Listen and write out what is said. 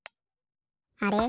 あれ？